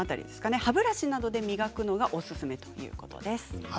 歯ブラシなどで磨くのがおすすめということです。